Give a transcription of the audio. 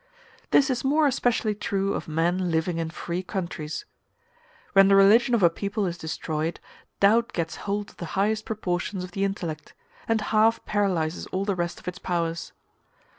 This is more especially true of men living in free countries. When the religion of a people is destroyed, doubt gets hold of the highest portions of the intellect, and half paralyzes all the rest of its powers.